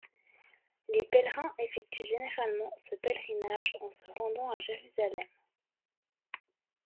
Les pèlerins effectuent généralement ce pèlerinage en se rendant à Jérusalem.